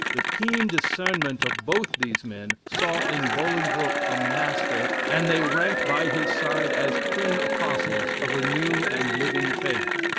The keen discernment of both these men saw in Bolingbroke a master, and they ranked by his side as twin apostles of a new and living faith.